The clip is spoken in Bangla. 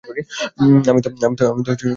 আমি তো তাঁকে তৃপ্ত করতে পারব না।